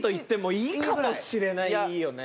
いいかもしれないよね